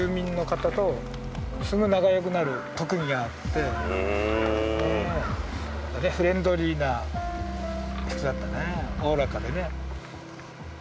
それでフレンドリーな人だったねおおらかでね。